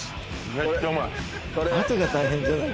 めっちゃうまい。